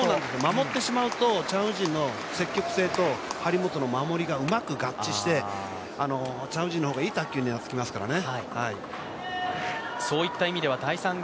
守ってしまうと、チャン・ウジンの積極性と張本の守りがうまく合致してチャン・ウジンの方がいい卓球になってきますからね。